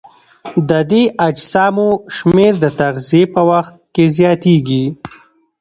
د دې اجسامو شمېر د تغذیې په وخت کې زیاتیږي.